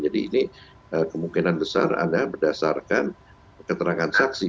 jadi ini kemungkinan besar ada berdasarkan keterangan saksi